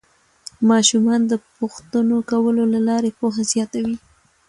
ماشومان د پوښتنو کولو له لارې پوهه زیاتوي